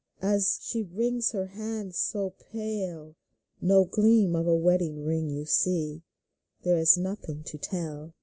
as she wrings her hands so pale, No gleam of a wedding ring you see ; There is nothing to tell.